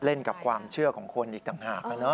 กับความเชื่อของคนอีกต่างหาก